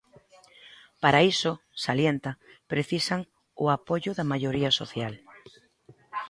Para iso, salienta, precisan "o apoio da maioría social".